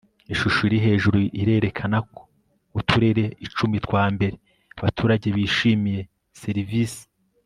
ishusho iri hejuru irerekana ko uturere icumi twa mbere abaturage bishimiye serivisi